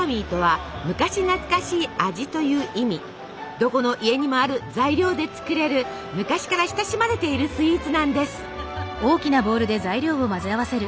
どこの家にもある材料で作れる昔から親しまれているスイーツなんです。